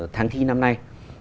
tháng thi năm nay